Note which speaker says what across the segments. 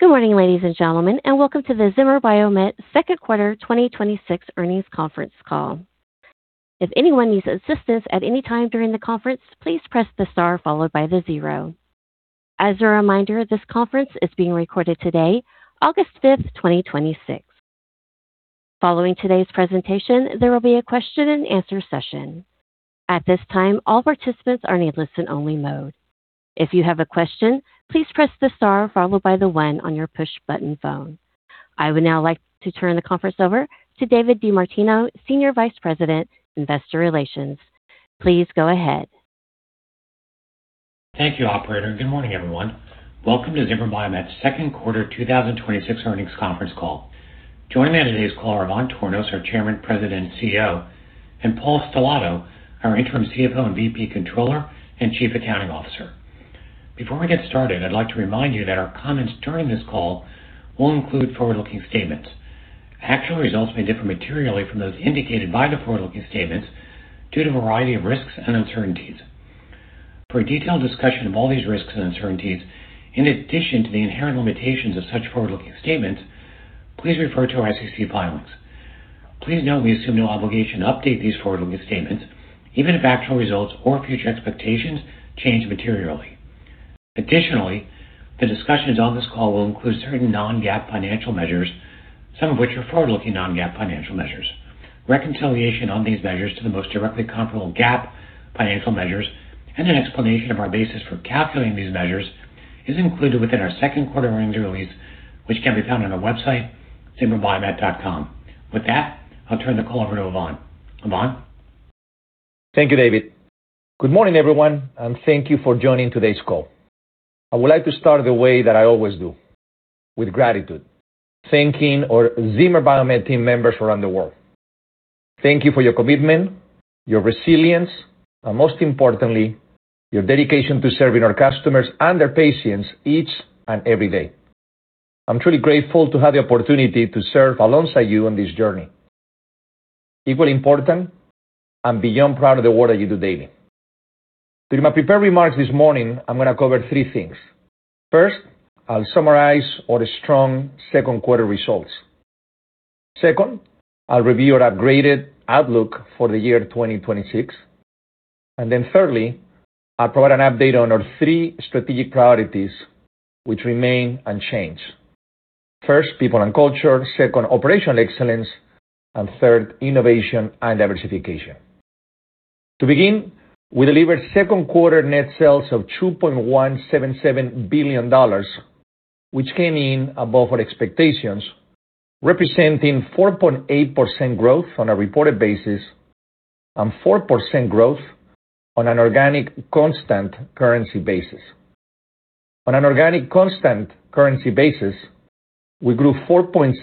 Speaker 1: Good morning, ladies and gentlemen, and welcome to the Zimmer Biomet second quarter 2026 earnings conference call. If anyone needs assistance at any time during the conference, please press the star followed by the zero. As a reminder, this conference is being recorded today, August 5th, 2026. Following today's presentation, there will be a question and answer session. At this time, all participants are in listen only mode. If you have a question, please press the star followed by the one on your push-button phone. I would now like to turn the conference over to David DeMartino, Senior Vice President, Investor Relations. Please go ahead.
Speaker 2: Thank you, operator. Good morning, everyone. Welcome to Zimmer Biomet's second quarter 2026 earnings conference call. Joining me on today's call are Ivan Tornos, our Chairman, President, and CEO, and Paul Stellato, our Interim CFO and VP Controller, and Chief Accounting Officer. Before we get started, I'd like to remind you that our comments during this call will include forward-looking statements. Actual results may differ materially from those indicated by the forward-looking statements due to a variety of risks and uncertainties. For a detailed discussion of all these risks and uncertainties, in addition to the inherent limitations of such forward-looking statements, please refer to our SEC filings. Please note we assume no obligation to update these forward-looking statements, even if actual results or future expectations change materially. Additionally, the discussions on this call will include certain non-GAAP financial measures, some of which are forward-looking non-GAAP financial measures. Reconciliation on these measures to the most directly comparable GAAP financial measures and an explanation of our basis for calculating these measures is included within our second quarter earnings release, which can be found on our website, zimmerbiomet.com. With that, I'll turn the call over to Ivan. Ivan?
Speaker 3: Thank you, David. Good morning, everyone, and thank you for joining today's call. I would like to start the way that I always do, with gratitude, thanking our Zimmer Biomet team members around the world. Thank you for your commitment, your resilience, and most importantly, your dedication to serving our customers and their patients each and every day. I'm truly grateful to have the opportunity to serve alongside you on this journey. Equally important, I'm beyond proud of the work that you do daily. Through my prepared remarks this morning, I'm going to cover three things. First, I'll summarize all the strong second quarter results. Second, I'll review our upgraded outlook for the year 2026. Then thirdly, I'll provide an update on our three strategic priorities, which remain unchanged. First, people and culture, second, operational excellence, and third, innovation and diversification. To begin, we delivered second quarter net sales of $2.177 billion, which came in above our expectations, representing 4.8% growth on a reported basis and 4% growth on an organic constant currency basis. On an organic constant currency basis, we grew 4.6%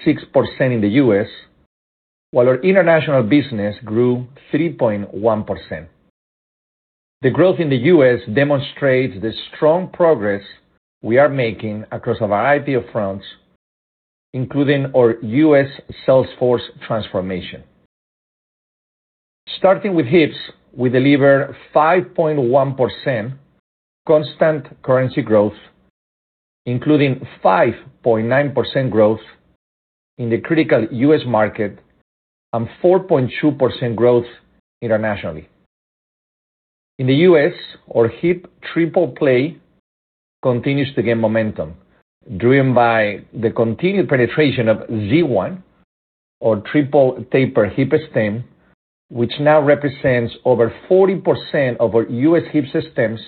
Speaker 3: in the U.S., while our international business grew 3.1%. The growth in the U.S. demonstrates the strong progress we are making across a variety of fronts, including our U.S. Salesforce transformation. Starting with hips, we delivered 5.1% constant currency growth, including 5.9% growth in the critical U.S. market and 4.2% growth internationally. In the U.S., our hip triple play continues to gain momentum, driven by the continued penetration of Z1, our Triple Taper Hip Stem, which now represents over 40% of our U.S. Hip Systems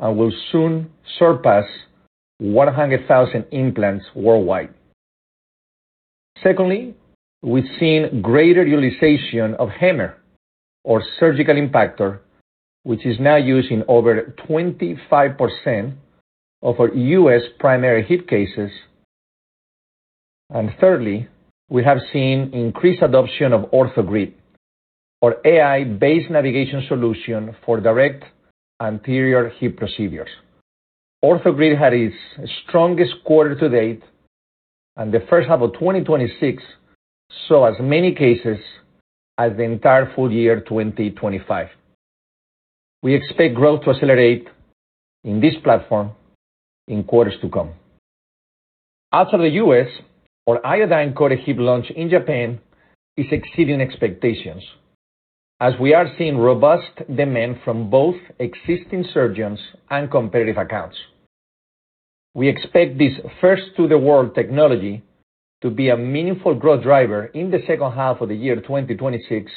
Speaker 3: and will soon surpass 100,000 implants worldwide. Secondly, we've seen greater utilization of HAMMR, our surgical impactor, which is now used in over 25% of our U.S. primary hip cases. Thirdly, we have seen increased adoption of OrthoGrid, our AI-based navigation solution for direct anterior hip procedures. OrthoGrid had its strongest quarter to date and the first half of 2026, saw as many cases as the entire full year 2025. We expect growth to accelerate in this platform in quarters to come. Outside the U.S., our iodine-coated hip launch in Japan is exceeding expectations as we are seeing robust demand from both existing surgeons and competitive accounts. We expect this first-to-the-world technology to be a meaningful growth driver in the second half of the year 2026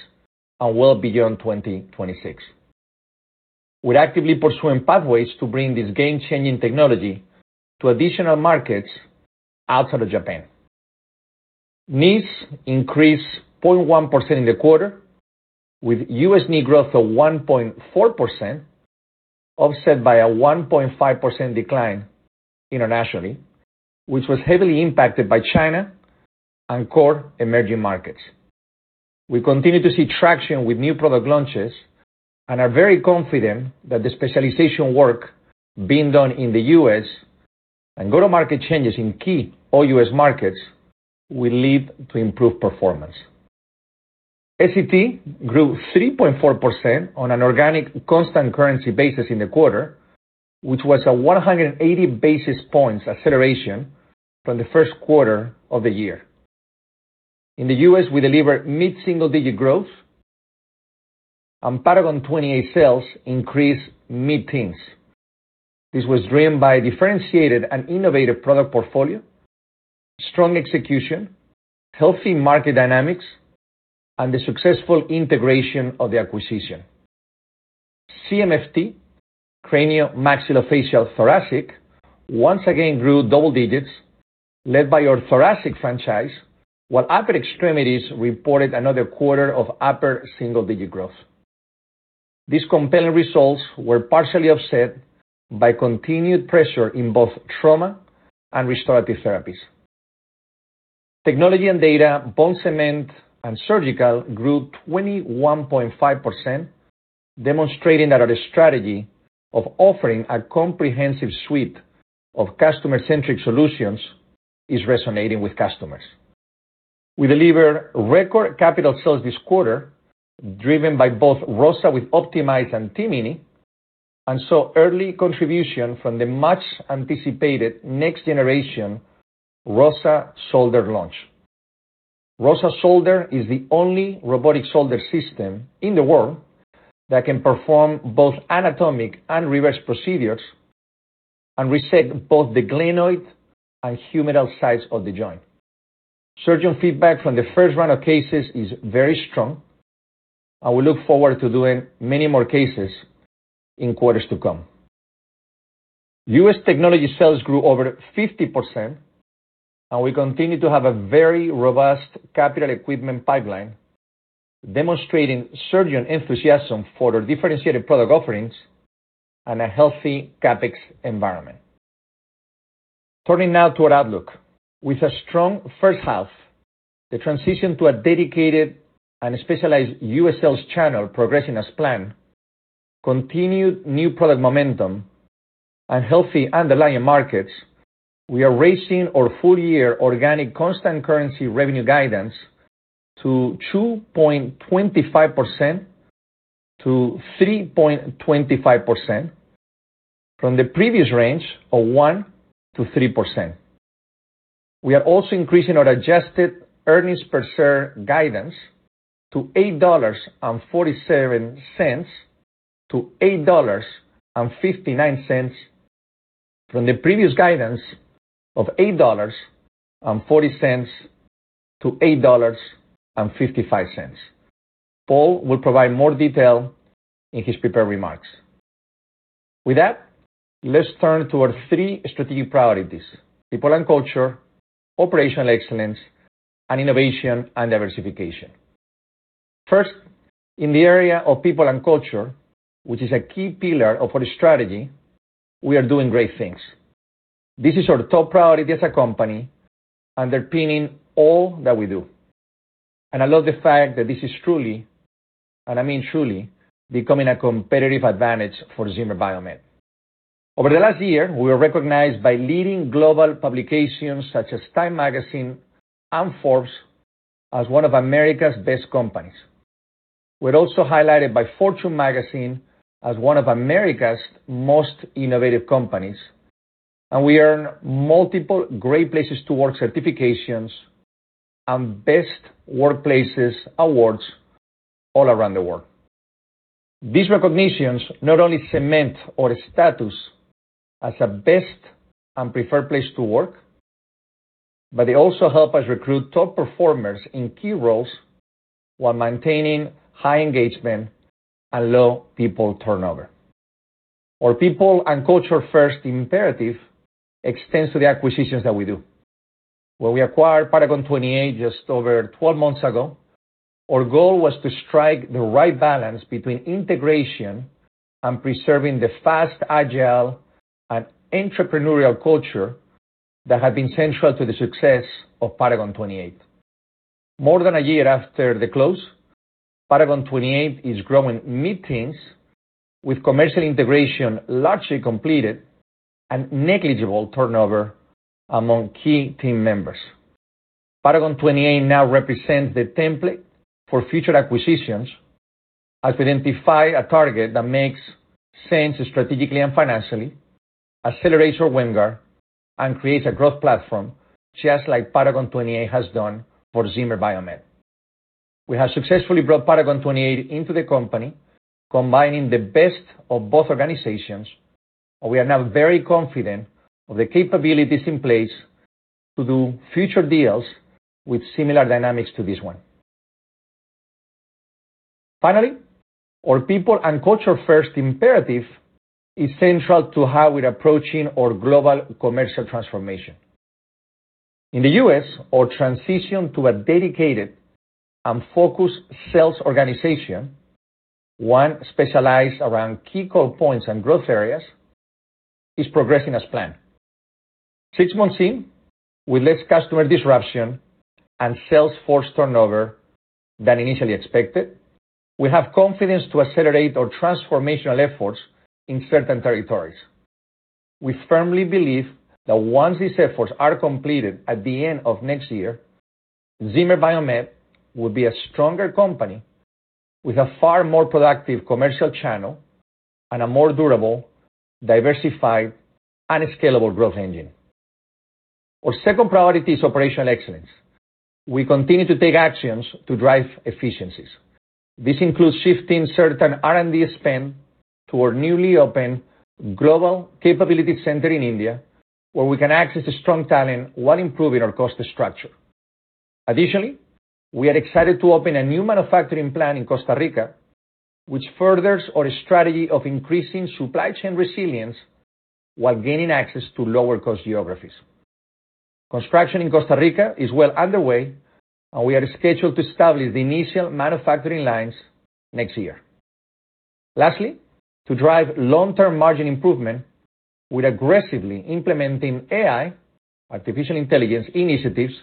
Speaker 3: and well beyond 2026. We're actively pursuing pathways to bring this game-changing technology to additional markets outside of Japan. Knees increased 0.1% in the quarter, with U.S. knee growth of 1.4%, offset by a 1.5% decline internationally, which was heavily impacted by China and core emerging markets. We continue to see traction with new product launches and are very confident that the specialization work being done in the U.S. and go-to-market changes in key OUS markets will lead to improved performance. S.E.T. grew 3.4% on an organic constant currency basis in the quarter, which was a 180 basis points acceleration from the first quarter of the year. In the U.S., we delivered mid-single-digit growth, and Paragon 28 sales increased mid-teens. This was driven by a differentiated and innovative product portfolio, strong execution, healthy market dynamics, and the successful integration of the acquisition. CMFT, Craniomaxillofacial and Thoracic, once again grew double digits, led by our thoracic franchise, while upper extremities reported another quarter of upper single-digit growth. These compelling results were partially offset by continued pressure in both trauma and restorative therapies. Technology and data, bone cement, and surgical grew 21.5%, demonstrating that our strategy of offering a comprehensive suite of customer-centric solutions is resonating with customers. We delivered record capital sales this quarter, driven by both ROSA with OptimiZe and TMINI, and saw early contribution from the much-anticipated next generation ROSA Shoulder launch. ROSA Shoulder is the only robotic shoulder system in the world that can perform both anatomic and reverse procedures and reset both the glenoid and humeral sides of the joint. Surgeon feedback from the first round of cases is very strong, and we look forward to doing many more cases in quarters to come. U.S. technology sales grew over 50%, and we continue to have a very robust capital equipment pipeline, demonstrating surgeon enthusiasm for our differentiated product offerings and a healthy CapEx environment. Turning now to our outlook. With a strong first half, the transition to a dedicated and specialized U.S. sales channel progressing as planned, continued new product momentum, and healthy underlying markets, we are raising our full-year organic constant currency revenue guidance to 2.25%-3.25% from the previous range of 1%-3%. We are also increasing our adjusted earnings per share guidance to $8.47-$8.59, from the previous guidance of $8.40-$8.55. Paul will provide more detail in his prepared remarks. With that, let's turn to our three strategic priorities: people and culture, operational excellence, and innovation and diversification. First, in the area of people and culture, which is a key pillar of our strategy, we are doing great things. This is our top priority as a company, underpinning all that we do. I love the fact that this is truly, and I mean truly, becoming a competitive advantage for Zimmer Biomet. Over the last year, we were recognized by leading global publications such as TIME Magazine and Forbes as one of America's best companies. We are also highlighted by Fortune Magazine as one of America's most innovative companies. We earn multiple Great Place to Work certifications and Best Workplaces awards all around the world. These recognitions not only cement our status as a best and preferred place to work, they also help us recruit top performers in key roles while maintaining high engagement and low people turnover. Our people and culture-first imperative extends to the acquisitions that we do. When we acquired Paragon 28 just over 12 months ago, our goal was to strike the right balance between integration and preserving the fast, agile, and entrepreneurial culture that had been central to the success of Paragon 28. More than a year after the close, Paragon 28 is growing mid-teens, with commercial integration largely completed and negligible turnover among key team members. Paragon 28 now represents the template for future acquisitions as we identify a target that makes sense strategically and financially, accelerates our WAMGR, and creates a growth platform, just like Paragon 28 has done for Zimmer Biomet. We have successfully brought Paragon 28 into the company, combining the best of both organizations. We are now very confident of the capabilities in place to do future deals with similar dynamics to this one. Finally, our people and culture-first imperative is central to how we are approaching our global commercial transformation. In the U.S., our transition to a dedicated and focused sales organization, one specialized around key call points and growth areas, is progressing as planned. Six months in, with less customer disruption and sales force turnover than initially expected, we have confidence to accelerate our transformational efforts in certain territories. We firmly believe that once these efforts are completed at the end of next year, Zimmer Biomet will be a stronger company with a far more productive commercial channel and a more durable, diversified, and scalable growth engine. Our second priority is operational excellence. We continue to take actions to drive efficiencies. This includes shifting certain R&D spend to our newly opened global capability center in India, where we can access strong talent while improving our cost structure. Additionally, we are excited to open a new manufacturing plant in Costa Rica, which furthers our strategy of increasing supply chain resilience while gaining access to lower-cost geographies. Construction in Costa Rica is well underway, and we are scheduled to establish the initial manufacturing lines next year. Lastly, to drive long-term margin improvement, we are aggressively implementing AI, artificial intelligence initiatives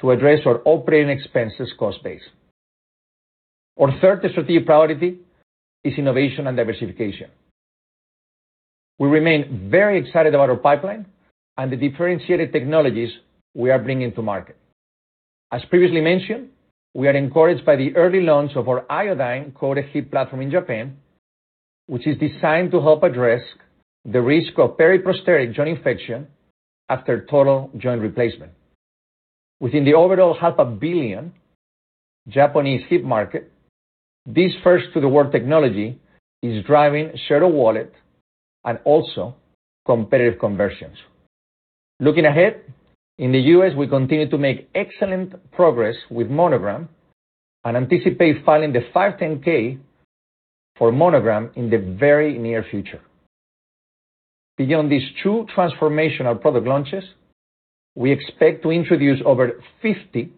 Speaker 3: to address our operating expenses cost base. Our third strategic priority is innovation and diversification. We remain very excited about our pipeline and the differentiated technologies we are bringing to market. As previously mentioned, we are encouraged by the early launch of our iodine coated hip platform in Japan, which is designed to help address the risk of periprosthetic joint infection after total joint replacement. Within the overall $500 million Japanese hip market, this first-to-the-world technology is driving share of wallet and also competitive conversions. Looking ahead, in the U.S., we continue to make excellent progress with Monogram and anticipate filing the 510(k) for Monogram in the very near future. Beyond these two transformational product launches, we expect to introduce over 50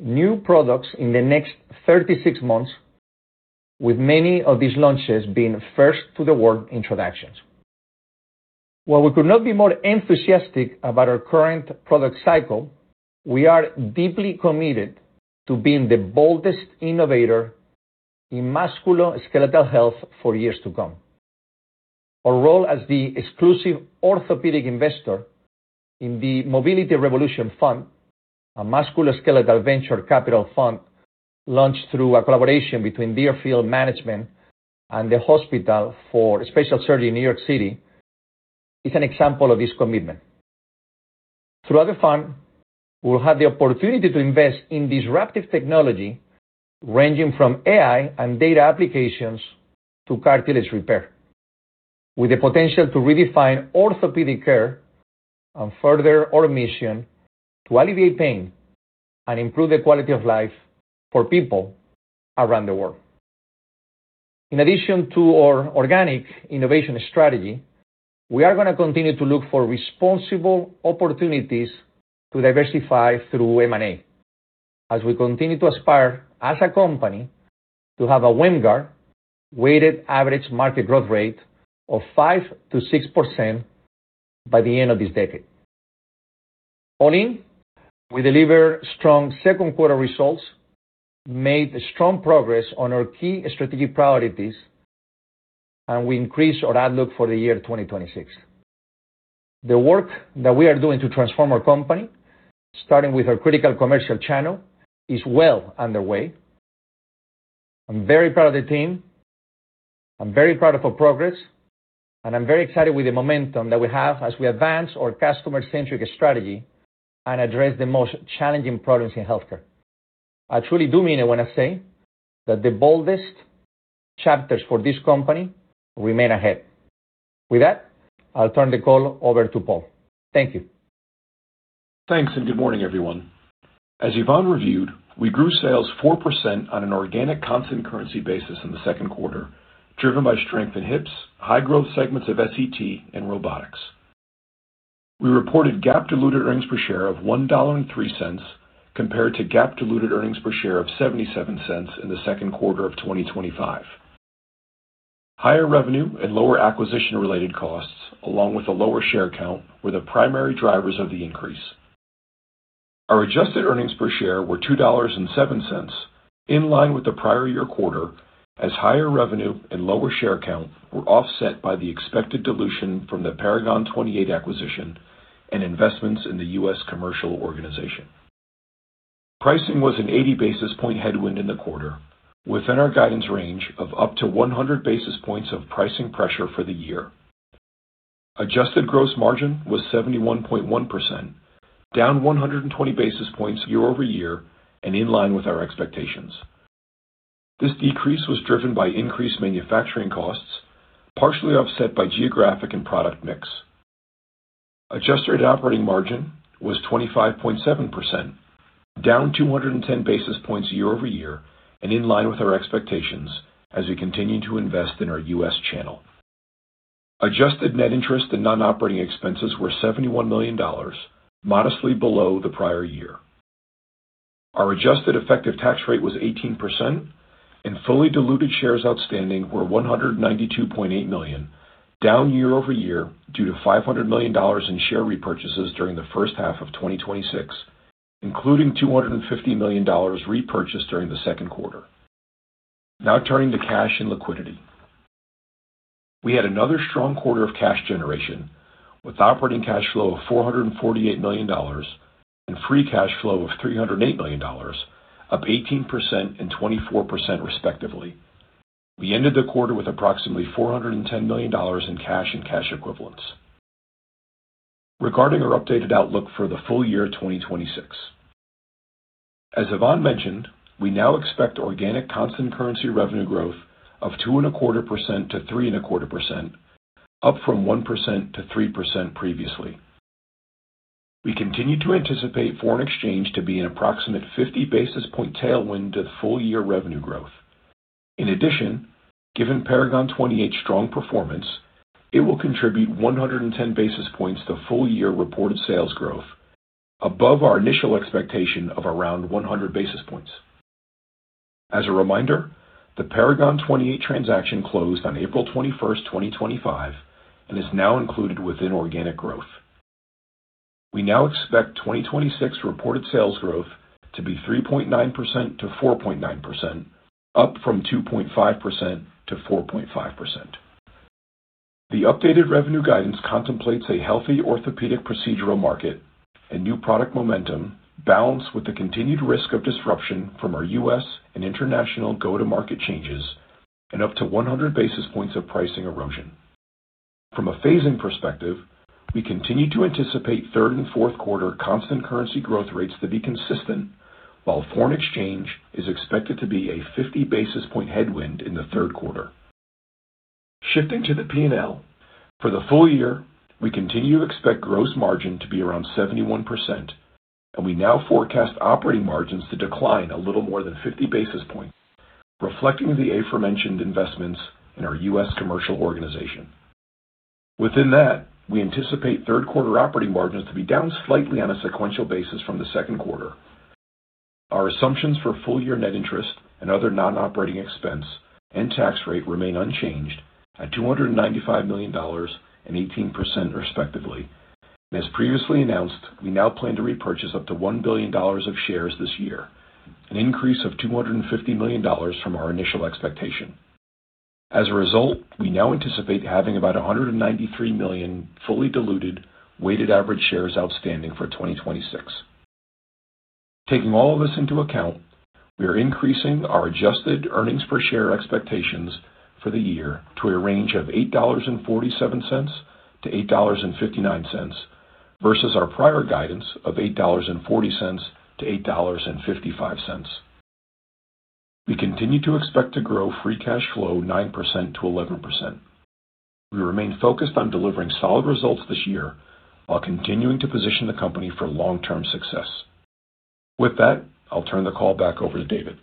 Speaker 3: new products in the next 36 months, with many of these launches being first-to-the-world introductions. While we could not be more enthusiastic about our current product cycle, we are deeply committed to being the boldest innovator in musculoskeletal health for years to come. Our role as the exclusive orthopedic investor in the Mobility Revolution Fund, a musculoskeletal venture capital fund launched through a collaboration between Deerfield Management and the Hospital for Special Surgery in New York City, is an example of this commitment. Throughout the fund, we will have the opportunity to invest in disruptive technology, ranging from AI and data applications to cartilage repair, with the potential to redefine orthopedic care and further our mission to alleviate pain and improve the quality of life for people around the world. In addition to our organic innovation strategy, we are going to continue to look for responsible opportunities to diversify through M&A as we continue to aspire as a company to have a WAMGR, weighted average market growth rate, of 5%-6% by the end of this decade. All in, we delivered strong second quarter results, made strong progress on our key strategic priorities, and we increased our outlook for the year 2026. The work that we are doing to transform our company, starting with our critical commercial channel, is well underway. I am very proud of the team, I am very proud of our progress, and I am very excited with the momentum that we have as we advance our customer-centric strategy and address the most challenging problems in healthcare. I truly do mean it when I say that the boldest chapters for this company remain ahead. With that, I will turn the call over to Paul. Thank you.
Speaker 4: Thanks, good morning, everyone. As Ivan reviewed, we grew sales 4% on an organic constant currency basis in the second quarter, driven by strength in hips, high growth segments of S.E.T., and robotics. We reported GAAP diluted earnings per share of $1.03 compared to GAAP diluted earnings per share of $0.77 in the second quarter of 2025. Higher revenue and lower acquisition-related costs, along with a lower share count, were the primary drivers of the increase. Our adjusted earnings per share were $2.07, in line with the prior year quarter, as higher revenue and lower share count were offset by the expected dilution from the Paragon 28 acquisition and investments in the U.S. commercial organization. Pricing was an 80-basis point headwind in the quarter, within our guidance range of up to 100 basis points of pricing pressure for the year. Adjusted gross margin was 71.1%, down 120 basis points year-over-year and in line with our expectations. This decrease was driven by increased manufacturing costs, partially offset by geographic and product mix. Adjusted operating margin was 25.7%, down 210 basis points year-over-year and in line with our expectations as we continue to invest in our U.S. channel. Adjusted net interest and non-operating expenses were $71 million, modestly below the prior year. Our adjusted effective tax rate was 18%, and fully diluted shares outstanding were 192.8 million, down year-over-year due to $500 million in share repurchases during the first half of 2026, including $250 million repurchased during the second quarter. Now turning to cash and liquidity. We had another strong quarter of cash generation with operating cash flow of $448 million and free cash flow of $308 million, up 18% and 24% respectively. We ended the quarter with approximately $410 million in cash and cash equivalents. Regarding our updated outlook for the full year 2026. As Ivan mentioned, we now expect organic constant currency revenue growth of 2.25%-3.25%, up from 1%-3% previously. We continue to anticipate foreign exchange to be an approximate 50 basis point tailwind to the full year revenue growth. In addition, given Paragon 28's strong performance, it will contribute 110 basis points to full year reported sales growth, above our initial expectation of around 100 basis points. As a reminder, the Paragon 28 transaction closed on April 21st, 2025, and is now included within organic growth. We now expect 2026 reported sales growth to be 3.9%-4.9%, up from 2.5%-4.5%. The updated revenue guidance contemplates a healthy orthopedic procedural market and new product momentum balanced with the continued risk of disruption from our U.S. and international go-to-market changes and up to 100 basis points of pricing erosion. From a phasing perspective, we continue to anticipate third and fourth quarter constant currency growth rates to be consistent, while foreign exchange is expected to be a 50 basis point headwind in the third quarter. Shifting to the P&L. For the full year, we continue to expect gross margin to be around 71%, and we now forecast operating margins to decline a little more than 50 basis points, reflecting the aforementioned investments in our U.S. commercial organization. Within that, we anticipate third quarter operating margins to be down slightly on a sequential basis from the second quarter. Our assumptions for full year net interest and other non-operating expense and tax rate remain unchanged at $295 million and 18%, respectively. As previously announced, we now plan to repurchase up to $1 billion of shares this year, an increase of $250 million from our initial expectation. As a result, we now anticipate having about 193 million fully diluted weighted average shares outstanding for 2026. Taking all of this into account, we are increasing our adjusted earnings per share expectations for the year to a range of $8.47-$8.59, versus our prior guidance of $8.40-$8.55. We continue to expect to grow free cash flow 9%-11%. We remain focused on delivering solid results this year while continuing to position the company for long-term success. With that, I'll turn the call back over to David.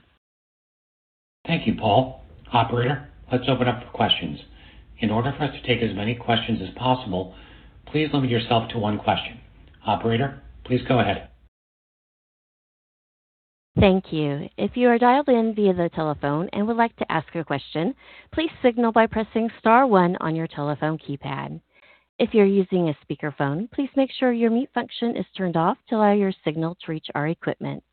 Speaker 2: Thank you, Paul. Operator, let's open up for questions. In order for us to take as many questions as possible, please limit yourself to one question. Operator, please go ahead.
Speaker 1: Thank you. If you are dialed in via the telephone and would like to ask a question, please signal by pressing star one on your telephone keypad. If you're using a speakerphone, please make sure your mute function is turned off to allow your signal to reach our equipment.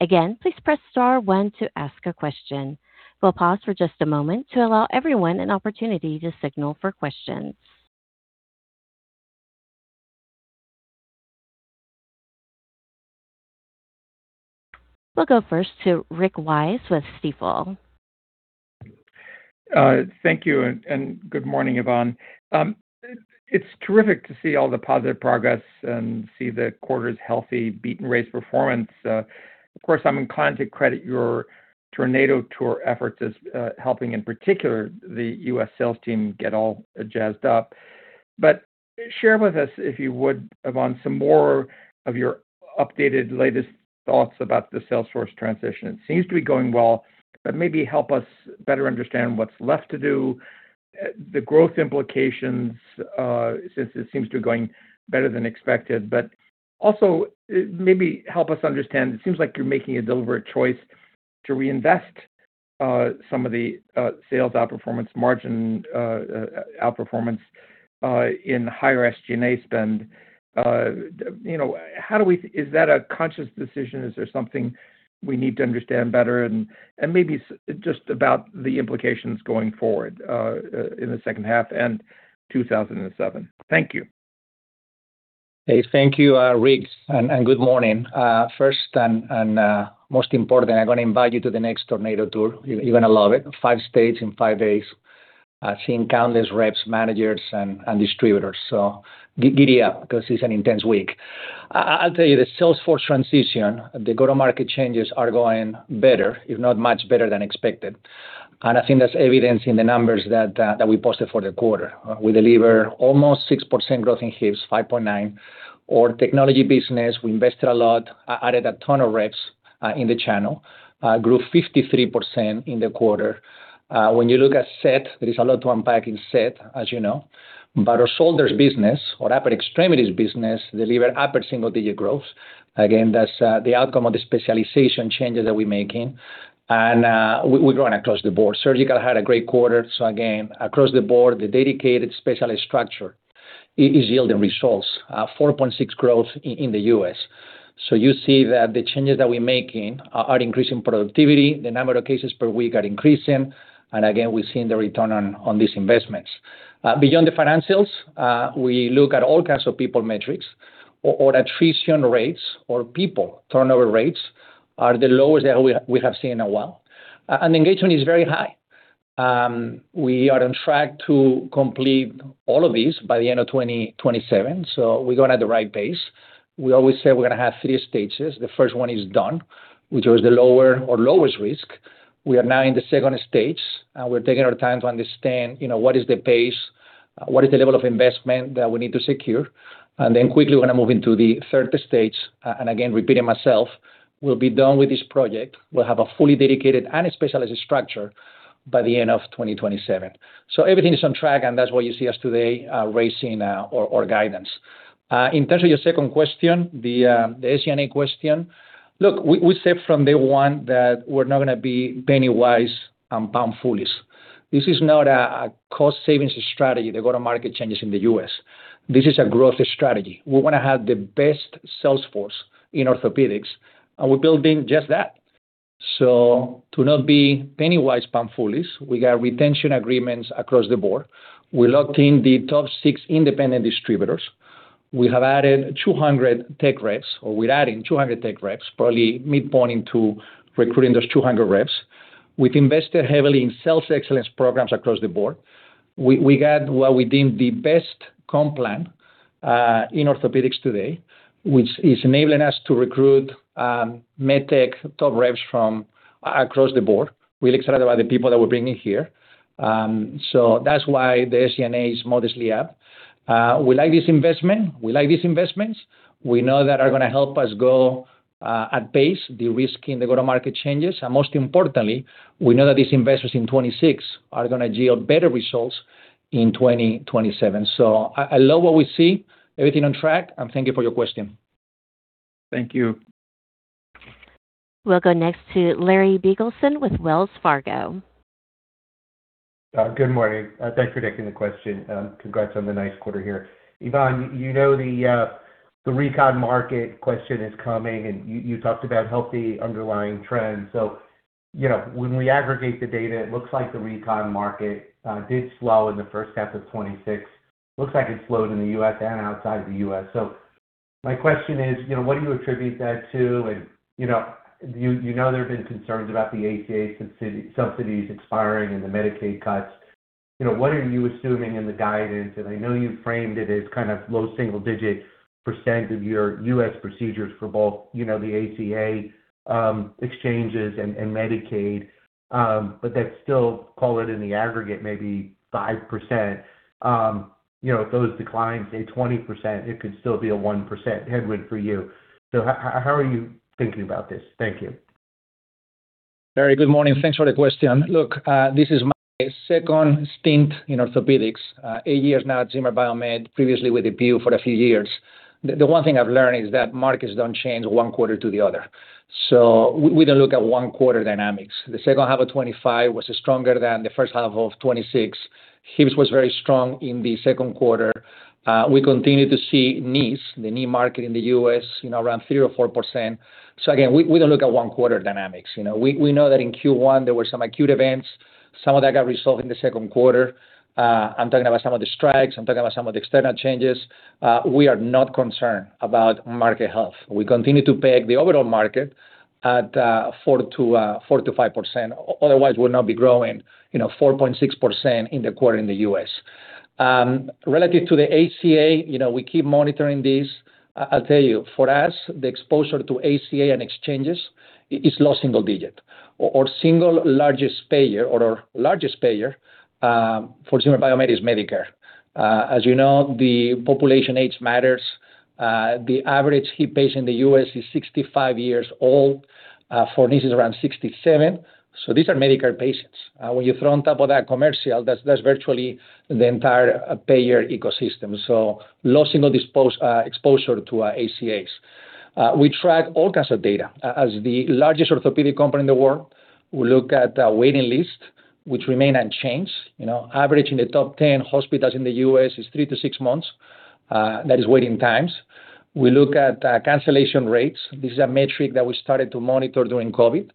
Speaker 1: Again, please press star one to ask a question. We'll pause for just a moment to allow everyone an opportunity to signal for questions. We'll go first to Rick Wise with Stifel.
Speaker 5: Thank you. Good morning, Ivan. It's terrific to see all the positive progress and see the quarter's healthy beat and raise performance. Of course, I'm inclined to credit your Tornado Tour efforts as helping, in particular, the U.S. sales team get all jazzed up. Share with us, if you would, Ivan, some more of your updated latest thoughts about the Salesforce transition. It seems to be going well, maybe help us better understand what's left to do, the growth implications, since it seems to be going better than expected. Also maybe help us understand, it seems like you're making a deliberate choice to reinvest some of the sales outperformance, margin outperformance in higher SG&A spend. Is that a conscious decision? Is there something we need to understand better? Maybe just about the implications going forward in the second half and 2027. Thank you.
Speaker 3: Thank you, Rick, and good morning. First and most important, I'm going to invite you to the next Tornado Tour. You're going to love it. Five states in five days, seeing countless reps, managers, and distributors. Giddy up, because it's an intense week. I'll tell you, the Salesforce transition, the go-to-market changes are going better, if not much better than expected, and I think that's evidenced in the numbers that we posted for the quarter. We delivered almost 6% growth in hips, 5.9%. Our technology business, we invested a lot, added a ton of reps in the channel, grew 53% in the quarter. When you look at S.E.T., there is a lot to unpack in S.E.T., as you know. Our Shoulders business, our Upper Extremities business, delivered upper single digit growth. Again, that's the outcome of the specialization changes that we're making. We're growing across the board. Surgical had a great quarter. Again, across the board, the dedicated specialist structure is yielding results, 4.6% growth in the U.S. You see that the changes that we're making are increasing productivity, the number of cases per week are increasing, and again, we're seeing the return on these investments. Beyond the financials, we look at all kinds of people metrics. Our attrition rates or people turnover rates are the lowest that we have seen in a while. Engagement is very high. We are on track to complete all of these by the end of 2027. We're going at the right pace. We always say we're going to have three stages. The first one is done, which was the lower or lowest risk. We are now in the second stage. We're taking our time to understand what is the pace, what is the level of investment that we need to secure, then quickly we're going to move into the third stage. Again, repeating myself, we'll be done with this project, we'll have a fully dedicated and specialized structure by the end of 2027. Everything is on track, and that's why you see us today raising our guidance. In terms of your second question, the SG&A question, look, we said from day one that we're not going to be penny-wise and pound-foolish. This is not a cost-savings strategy, the go-to-market changes in the U.S. This is a growth strategy. We want to have the best sales force in orthopedics, and we're building just that. To not be penny-wise, pound-foolish, we got retention agreements across the board. We locked in the top six independent distributors. We have added 200 tech reps, or we're adding 200 tech reps, probably mid-point into recruiting those 200 reps. We've invested heavily in sales excellence programs across the board. We got what we deem the best comp plan in orthopedics today, which is enabling us to recruit med tech top reps from across the board. Really excited about the people that we're bringing here. That's why the SG&A is modestly up. We like these investments. We know they are going to help us go at pace derisking the go-to-market changes. Most importantly, we know that these investments in 2026 are going to yield better results in 2027. I love what we see, everything on track, and thank you for your question.
Speaker 5: Thank you.
Speaker 1: We'll go next to Larry Biegelsen with Wells Fargo.
Speaker 6: Good morning. Thanks for taking the question. Congrats on the nice quarter here. Ivan, you know the recon market question is coming, and you talked about healthy underlying trends. When we aggregate the data, it looks like the recon market did slow in the first half of 2026. Looks like it slowed in the U.S. and outside the U.S. My question is, what do you attribute that to? You know there have been concerns about the ACA subsidies expiring and the Medicaid cuts. What are you assuming in the guidance? I know you framed it as kind of low single-digit percent of your U.S. procedures for both the ACA exchanges and Medicaid. That's still, call it in the aggregate, maybe 5%. If those decline, say, 20%, it could still be a 1% headwind for you. How are you thinking about this? Thank you.
Speaker 3: Larry, good morning. Thanks for the question. Look, this is my second stint in orthopedics, eight years now at Zimmer Biomet, previously with DePuy for a few years. The one thing I've learned is that markets don't change one quarter to the other. We don't look at one quarter dynamics. The second half of 2025 was stronger than the first half of 2026. Hips was very strong in the second quarter. We continue to see knees, the knee market in the U.S., around 3% or 4%. Again, we don't look at one quarter dynamics. We know that in Q1 there were some acute events. Some of that got resolved in the second quarter. I'm talking about some of the strikes. I'm talking about some of the external changes. We are not concerned about market health. We continue to peg the overall market at 4%-5%. Otherwise, we'll not be growing 4.6% in the quarter in the U.S. Relative to the ACA, we keep monitoring this. I'll tell you, for us, the exposure to ACA and exchanges is low single digit. Our single largest payer, or our largest payer for Zimmer Biomet, is Medicare. As you know, the population age matters. The average hip patient in the U.S. is 65 years old. For knees, it's around 67 years old. These are Medicare patients. When you throw on top of that commercial, that's virtually the entire payer ecosystem. Low single exposure to ACAs. We track all kinds of data. As the largest orthopedic company in the world, we look at the waiting list, which remain unchanged. Average in the top 10 hospitals in the U.S. is three to six months. That is waiting times. We look at cancellation rates. This is a metric that we started to monitor during COVID.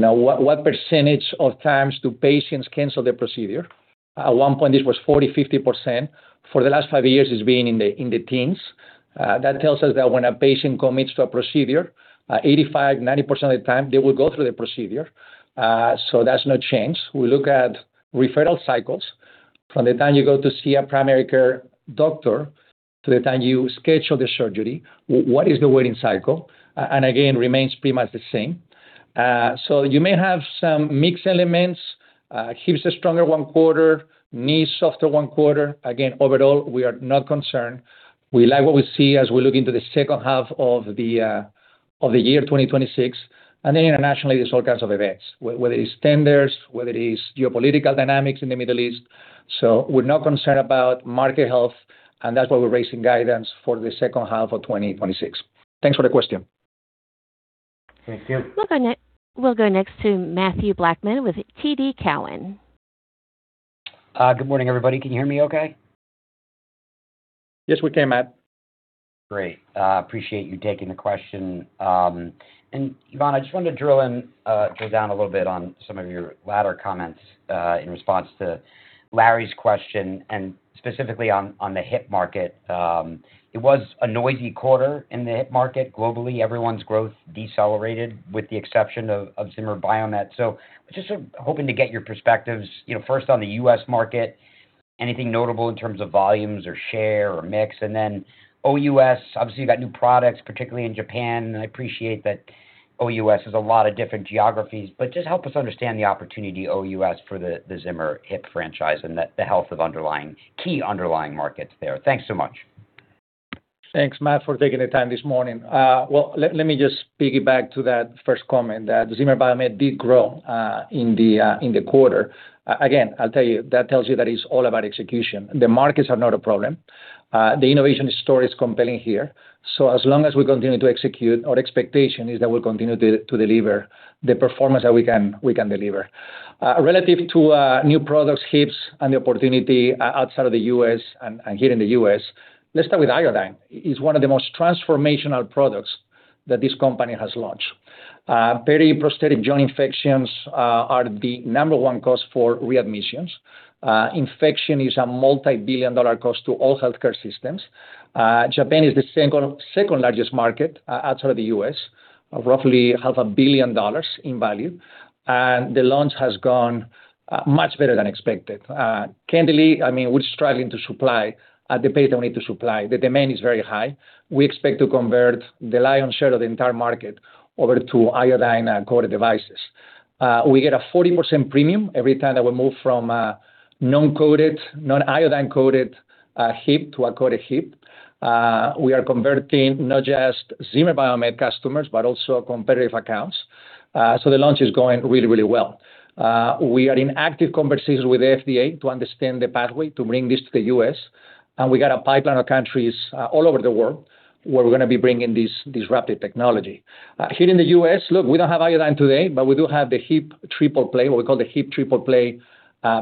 Speaker 3: What percentage of times do patients cancel their procedure? At one point, this was 40%, 50%. For the last five years, it's been in the teens. That tells us that when a patient commits to a procedure, 85%, 90% of the time, they will go through the procedure. That's no change. We look at referral cycles. From the time you go to see a primary care doctor to the time you schedule the surgery, what is the waiting cycle? Again, remains pretty much the same. You may have some mixed elements. Hips are stronger one quarter, knees softer one quarter. Again, overall, we are not concerned. We like what we see as we look into the second half of the year 2026. Internationally, there's all kinds of events, whether it's tenders, whether it is geopolitical dynamics in the Middle East. We're not concerned about market health, and that's why we're raising guidance for the second half of 2026. Thanks for the question.
Speaker 6: Thank you.
Speaker 1: We'll go next to Mathew Blackman with TD Cowen.
Speaker 7: Good morning, everybody. Can you hear me okay?
Speaker 3: Yes, we can, Matt.
Speaker 7: Great. Appreciate you taking the question. Ivan, I just wanted to drill down a little bit on some of your latter comments, in response to Larry's question, and specifically on the hip market. It was a noisy quarter in the hip market globally. Everyone's growth decelerated, with the exception of Zimmer Biomet. Just sort of hoping to get your perspectives, first on the U.S. market, anything notable in terms of volumes or share or mix? Then OUS, obviously, you've got new products, particularly in Japan. I appreciate that OUS has a lot of different geographies, but just help us understand the opportunity OUS for the Zimmer hip franchise and the health of key underlying markets there. Thanks so much.
Speaker 3: Thanks, Matt, for taking the time this morning. Let me just piggyback to that first comment, that Zimmer Biomet did grow in the quarter. Again, I'll tell you, that tells you that it's all about execution. The markets are not a problem. The innovation story is compelling here. As long as we continue to execute, our expectation is that we'll continue to deliver the performance that we can deliver. Relative to new products, hips, and the opportunity outside of the U.S. and here in the U.S., let's start with iodine. It's one of the most transformational products that this company has launched. Periprosthetic joint infections are the number one cause for readmissions. Infection is a multibillion-dollar cost to all healthcare systems. Japan is the second-largest market outside of the U.S., roughly $500 million in value. The launch has gone much better than expected. Candidly, we're struggling to supply at the pace that we need to supply. The demand is very high. We expect to convert the lion's share of the entire market over to iodine-coated devices. We get a 40% premium every time that we move from a non-iodine-coated hip to a coated hip. We are converting not just Zimmer Biomet customers, also competitive accounts. The launch is going really, really well. We are in active conversation with the FDA to understand the pathway to bring this to the U.S., we got a pipeline of countries all over the world where we're going to be bringing this disruptive technology. Here in the U.S., look, we don't have iodine today, we do have the hip triple play, what we call the hip triple play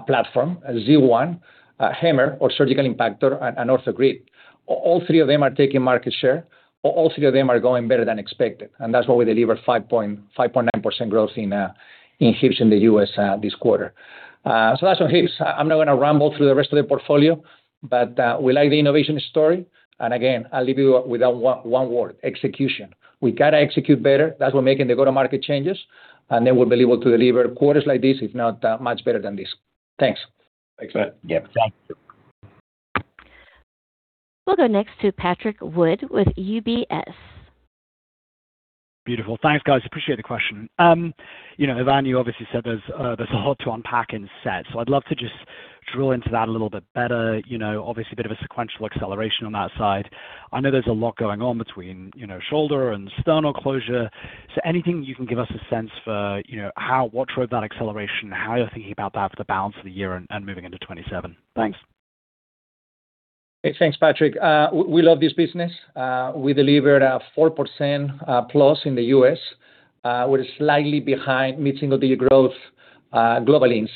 Speaker 3: platform, Z1, HAMMR or surgical impactor, and also OrthoGrid. All three of them are taking market share. All three of them are going better than expected, that's why we delivered 5.9% growth in hips in the U.S. this quarter. That's on hips. I'm not going to ramble through the rest of the portfolio, we like the innovation story. Again, I'll leave you with that one word, execution. We got to execute better. That's why we're making the go-to-market changes, then we'll be able to deliver quarters like this, if not much better than this.
Speaker 7: Thanks.
Speaker 3: Thanks, Matt. Yeah.
Speaker 1: We'll go next to Patrick Wood with UBS.
Speaker 8: Beautiful. Thanks, guys. Appreciate the question. Ivan, you obviously said there's a lot to unpack in S.E.T. I'd love to just drill into that a little bit better. Obviously, a bit of a sequential acceleration on that side. I know there's a lot going on between shoulder and sternal closure. Anything you can give us a sense for what drove that acceleration, how you're thinking about that for the balance of the year and moving into 2027? Thanks.
Speaker 3: Hey, thanks, Patrick. We love this business. We delivered a 4%+ in the U.S. We're slightly behind meeting the growth globally in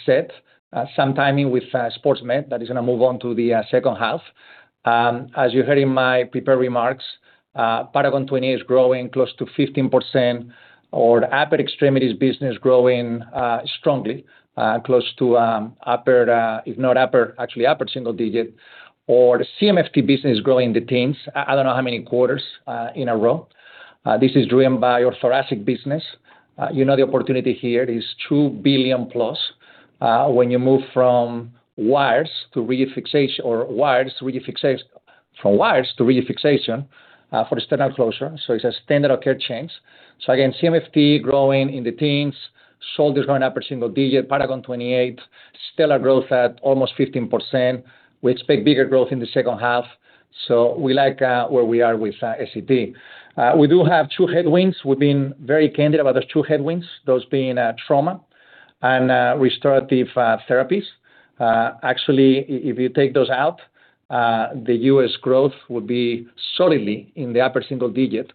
Speaker 3: S.E.T. Some timing with Sports Medicine, that is going to move on to the second half. As you heard in my prepared remarks, Paragon 28 is growing close to 15%, or the upper extremities business growing strongly, close to upper, actually upper single digit. The CMFT business growing in the tens, I don't know how many quarters in a row. This is driven by our thoracic business. You know the opportunity here is $2+ billion, when you move from wires to rigid fixation for the sternal closure. It's a standard of care change. Again, CMFT growing in the teens, Shoulder is going upper single digit. Paragon 28, stellar growth at almost 15%. We expect bigger growth in the second half. We like where we are with S.E.T. We do have two headwinds. We've been very candid about those two headwinds, those being trauma and restorative therapies. Actually, if you take those out, the U.S. growth would be solidly in the upper single digit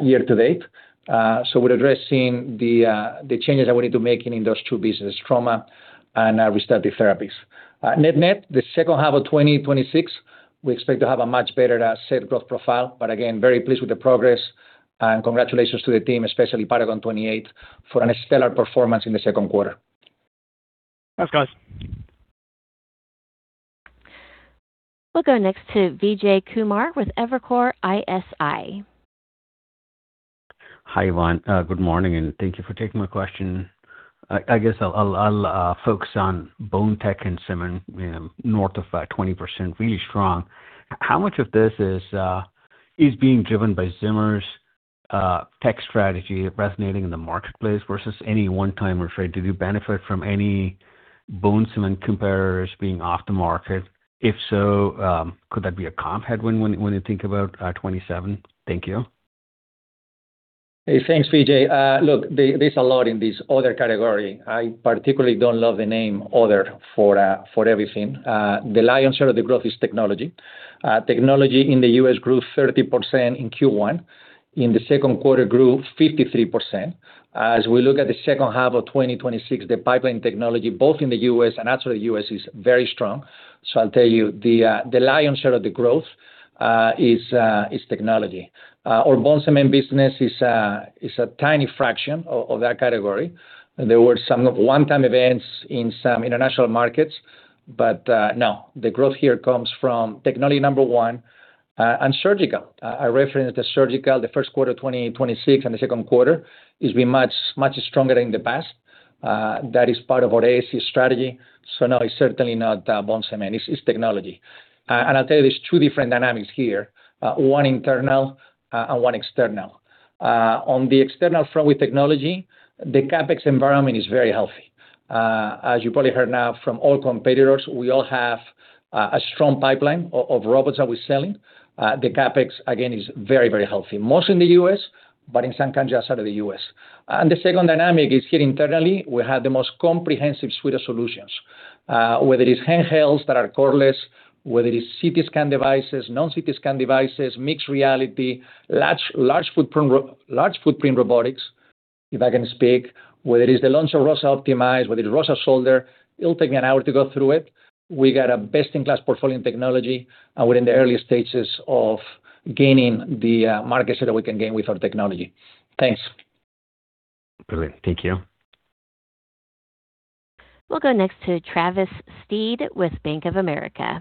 Speaker 3: year-to-date. We're addressing the changes that we need to make in those two businesses, trauma and restorative therapies. Net-net, the second half of 2026, we expect to have a much better S.E.T. growth profile, but again, very pleased with the progress and congratulations to the team, especially Paragon 28, for a stellar performance in the second quarter.
Speaker 8: Thanks, guys.
Speaker 1: We'll go next to Vijay Kumar with Evercore ISI.
Speaker 9: Hi, Ivan. Good morning, thank you for taking my question. I guess I'll focus on bone tech and cement, north of 20%, really strong. How much of this is being driven by Zimmer's tech strategy resonating in the marketplace versus any one-time effect? Did you benefit from any bone cement competitors being off the market? If so, could that be a comp headwind when you think about 2027? Thank you.
Speaker 3: Hey, thanks, Vijay. Look, there's a lot in this other category. I particularly don't love the name other for everything. The lion's share of the growth is technology. Technology in the U.S. grew 30% in Q1. In the second quarter, it grew 53%. As we look at the second half of 2026, the pipeline technology, both in the U.S. and outside the U.S., is very strong. I'll tell you, the lion's share of the growth is technology. Our bone cement business is a tiny fraction of that category. There were some one-time events in some international markets. No, the growth here comes from technology, number one, and surgical. I referenced the surgical, the first quarter 2026, and the second quarter has been much, much stronger than the past. That is part of our ASC strategy. No, it's certainly not bone cement, it's technology. I'll tell you, there's two different dynamics here, one internal and one external. On the external front with technology, the CapEx environment is very healthy. As you probably heard now from all competitors, we all have a strong pipeline of robots that we're selling. The CapEx, again, is very, very healthy, mostly in the U.S., but in some countries outside of the U.S. The second dynamic is here internally, we have the most comprehensive suite of solutions, whether it's handhelds that are cordless, whether it's CT scan devices, non-CT scan devices, mixed reality, large footprint robotics, if I can speak. Whether it's the launch of ROSA OptimiZe, whether it's ROSA Shoulder, it'll take me an hour to go through it. We got a best-in-class portfolio in technology, and we're in the early stages of gaining the market share that we can gain with our technology. Thanks.
Speaker 9: Brilliant. Thank you.
Speaker 1: We'll go next to Travis Steed with Bank of America.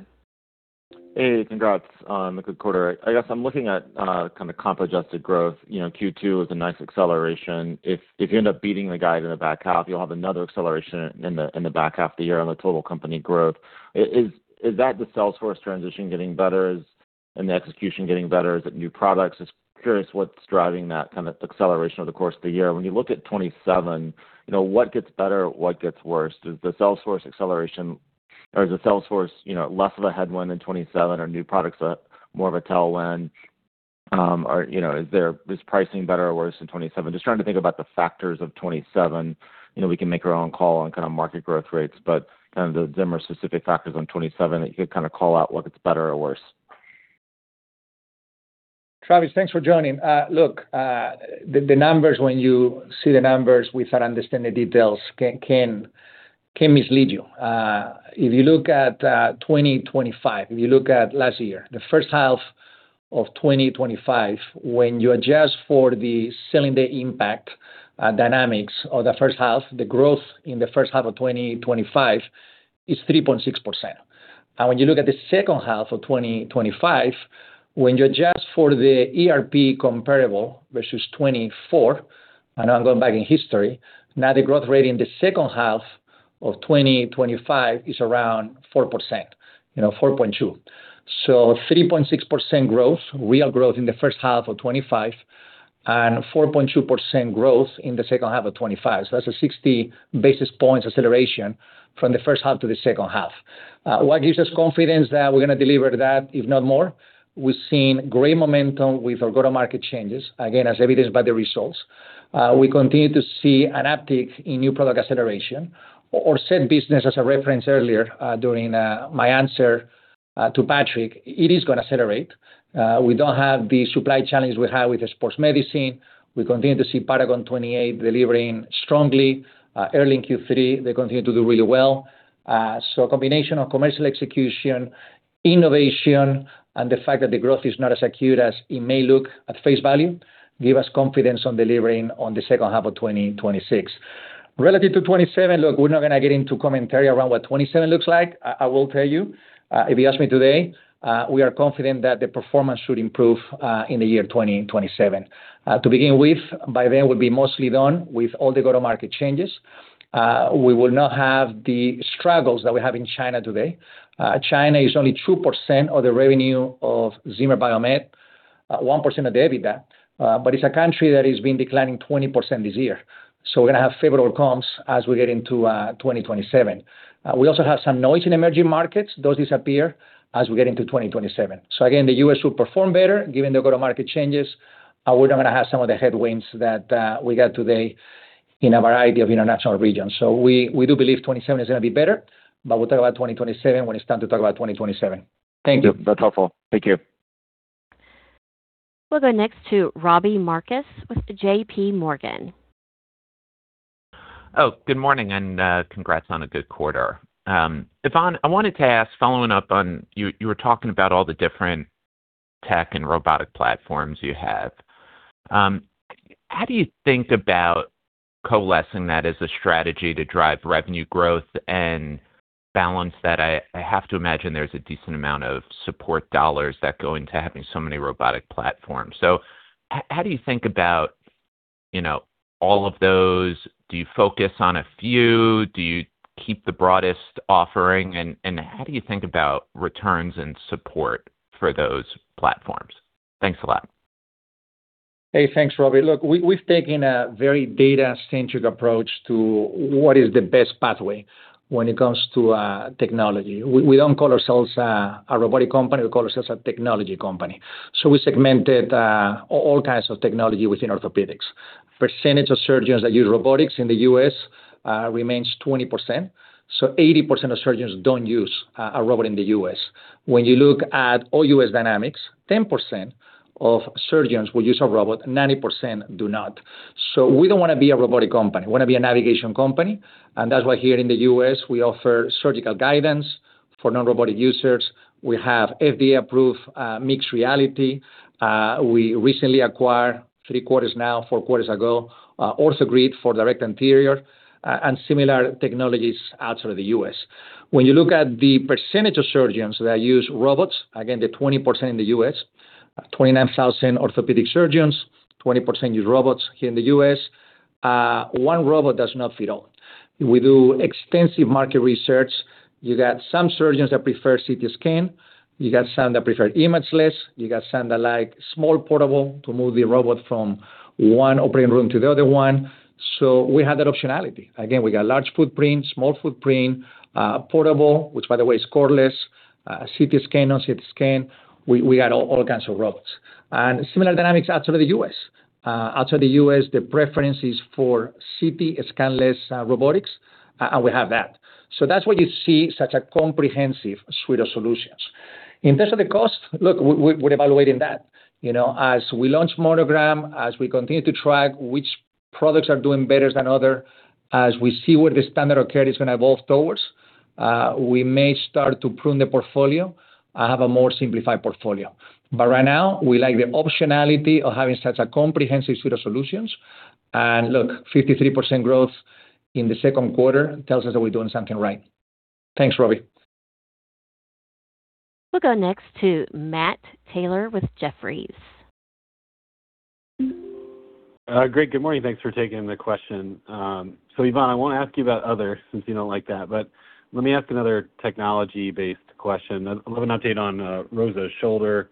Speaker 10: Hey, congrats on the good quarter. I guess I'm looking at kind of comp adjusted growth. Q2 was a nice acceleration. If you end up beating the guide in the back half, you'll have another acceleration in the back half of the year on the total company growth. Is that the Salesforce transition getting better? Is the execution getting better? Is it new products? Just curious what's driving that kind of acceleration over the course of the year. When you look at 2027, what gets better? What gets worse? Is the Salesforce acceleration or is the Salesforce less of a headwind in 2027 or new products more of a tailwind? Is pricing better or worse in 2027? Just trying to think about the factors of 2027. We can make our own call on kind of market growth rates, kind of the Zimmer specific factors on 2027 that you could kind of call out what gets better or worse.
Speaker 3: Travis, thanks for joining. Look, the numbers, when you see the numbers without understanding the details can mislead you. If you look at 2025, if you look at last year, the first half of 2025, when you adjust for the selling day impact dynamics of the first half, the growth in the first half of 2025 is 3.6%. When you look at the second half of 2025, when you adjust for the ERP comparable versus 2024, and I'm going back in history, now the growth rate in the second half of 2025 is around 4%, 4.2%. That's 3.6% growth, real growth in the first half of 2025 and 4.2% growth in the second half of 2025. That's a 60 basis points acceleration from the first half to the second half. What gives us confidence that we're going to deliver that, if not more? We've seen great momentum with our go-to-market changes, again, as evidenced by the results. We continue to see an uptick in new product acceleration or said business, as I referenced earlier during my answer to Patrick, it is going to accelerate. We don't have the supply challenges we had with the Sports Medicine. We continue to see Paragon 28 delivering strongly early in Q3. They continue to do really well. A combination of commercial execution, innovation, and the fact that the growth is not as acute as it may look at face value give us confidence on delivering on the second half of 2026. Relative to 2027, we're not going to get into commentary around what 2027 looks like. I will tell you, if you ask me today, we are confident that the performance should improve in the year 2027. To begin with, by then, we'll be mostly done with all the go-to-market changes. We will not have the struggles that we have in China today. China is only 2% of the revenue of Zimmer Biomet, 1% of the EBITDA. It's a country that has been declining 20% this year. We're going to have favorable comps as we get into 2027. We also have some noise in emerging markets. Those disappear as we get into 2027. The U.S. should perform better given the go-to-market changes. We're not going to have some of the headwinds that we got today in a variety of international regions. We do believe 2027 is going to be better, but we'll talk about 2027 when it's time to talk about 2027. Thank you.
Speaker 10: That's helpful. Thank you.
Speaker 1: We'll go next to Robbie Marcus with JPMorgan.
Speaker 11: Oh, good morning and congrats on a good quarter. Ivan, I wanted to ask, following up on, you were talking about all the different tech and robotic platforms you have. How do you think about coalescing that as a strategy to drive revenue growth and balance that? I have to imagine there's a decent amount of support dollars that go into having so many robotic platforms. How do you think about all of those? Do you focus on a few? Do you keep the broadest offering? How do you think about returns and support for those platforms? Thanks a lot.
Speaker 3: Hey, thanks, Robbie. Look, we've taken a very data-centric approach to what is the best pathway when it comes to technology. We don't call ourselves a robotic company. We call ourselves a technology company. We segmented all kinds of technology within orthopedics. Percentage of surgeons that use robotics in the U.S. Remains 20%. 80% of surgeons don't use a robot in the U.S. When you look at all U.S. dynamics, 10% of surgeons will use a robot, 90% do not. We don't want to be a robotic company. We want to be a navigation company, that's why here in the U.S., we offer surgical guidance for non-robotic users. We have FDA-approved mixed reality. We recently acquired, three quarters now, four quarters ago, OrthoGrid for direct anterior and similar technologies outside of the U.S. When you look at the percentage of surgeons that use robots, again, they're 20% in the U.S., 29,000 orthopedic surgeons, 20% use robots here in the U.S. One robot does not fit all. We do extensive market research. You got some surgeons that prefer CT scan, you got some that prefer imageless, you got some that like small, portable to move the robot from one operating room to the other one. We have that optionality. Again, we got large footprint, small footprint, portable, which by the way is cordless, CT scan, non-CT scan. We got all kinds of robots. Similar dynamics outside of the U.S. Outside the U.S., the preference is for CT scan-less robotics, and we have that. That's why you see such a comprehensive suite of solutions. In terms of the cost, look, we're evaluating that. As we launch Monogram, as we continue to track which products are doing better than others, as we see where the standard of care is going to evolve towards, we may start to prune the portfolio, have a more simplified portfolio. Right now, we like the optionality of having such a comprehensive suite of solutions, and look, 53% growth in the second quarter tells us that we're doing something right. Thanks, Robbie.
Speaker 1: We'll go next to Matt Taylor with Jefferies.
Speaker 12: Great. Good morning. Thanks for taking the question. Ivan, I won't ask you about Other since you don't like that, but let me ask another technology-based question. I'd love an update on ROSA Shoulder,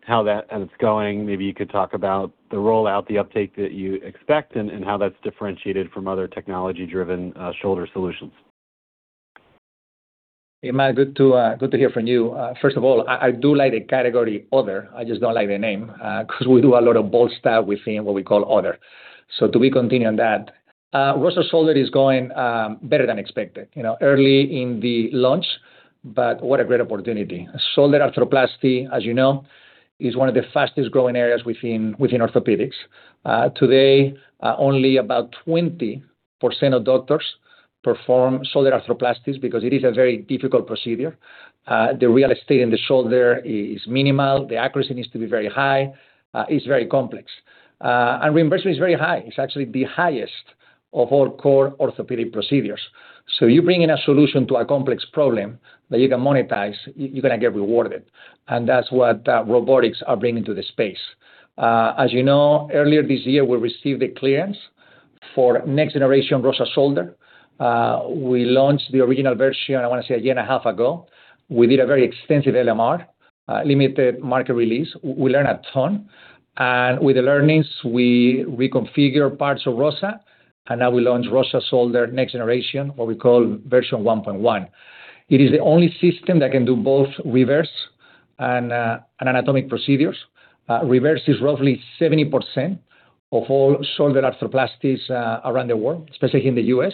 Speaker 12: how that is going. Maybe you could talk about the rollout, the uptake that you expect and how that's differentiated from other technology-driven shoulder solutions.
Speaker 3: Hey, Matt. Good to hear from you. First of all, I do like the category Other, I just don't like the name, because we do a lot of bold stuff within what we call Other. To be continued on that. ROSA Shoulder is going better than expected. Early in the launch, but what a great opportunity. Shoulder arthroplasty, as you know, is one of the fastest-growing areas within orthopedics. Today, only about 20% of doctors perform shoulder arthroplasties because it is a very difficult procedure. The real estate in the shoulder is minimal. The accuracy needs to be very high. It's very complex. Reimbursement is very high. It's actually the highest of all core orthopedic procedures. You bring in a solution to a complex problem that you can monetize, you're going to get rewarded. That's what robotics are bringing to the space. As you know, earlier this year, we received the clearance for next generation ROSA Shoulder. We launched the original version, I want to say 1.5 year ago. We did a very extensive LMR, limited market release. We learned a ton, and with the learnings, we reconfigured parts of ROSA, and now we launched ROSA Shoulder next generation, what we call version 1.1. It is the only system that can do both reverse and anatomic procedures. Reverse is roughly 70% of all shoulder arthroplasties around the world, especially here in the U.S.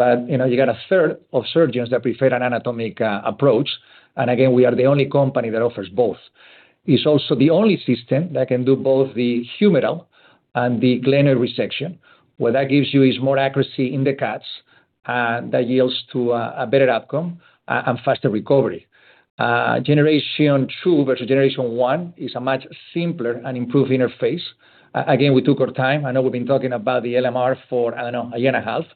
Speaker 3: You got a third of surgeons that prefer an anatomic approach, and again, we are the only company that offers both. It is also the only system that can do both the humeral and the glenoid resection. What that gives you is more accuracy in the cuts that yields to a better outcome and faster recovery. Generation Two versus Generation One is a much simpler and improved interface. Again, we took our time. I know we've been talking about the LMR for, I don't know, a 1.5 year.